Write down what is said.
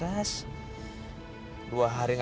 aku akan menemukanmu di jalan ini